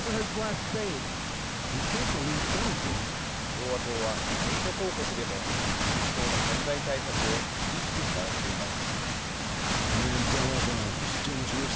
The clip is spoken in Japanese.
共和党は選挙広告でも、民主党の犯罪対策を厳しく批判しています。